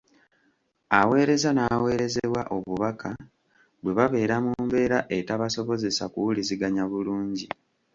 Aweereza n’aweerezebwa obubaka bwe babeera mu mbeera etabasobozesa kuwuliziganya bulungi.